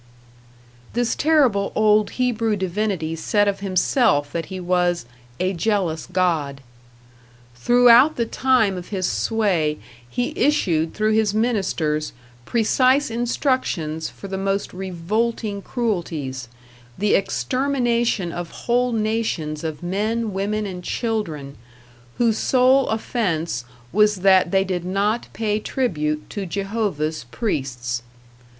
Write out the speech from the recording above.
This terrible old Hebrew divinity said of himself that he was "a jealous god". Throughout the time of his sway he issued through his ministers precise instructions for the most revolting cruelties, the extermination of whole nations of men, women and children, whose sole offense was that they did not pay tribute to Jehovah's priests.